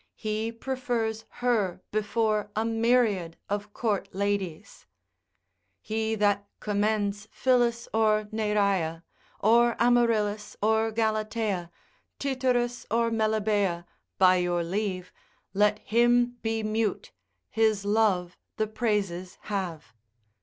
He prefers her before a myriad of court ladies. He that commends Phillis or Neraea, Or Amaryllis, or Galatea, Tityrus or Melibea, by your leave, Let him be mute, his love the praises have.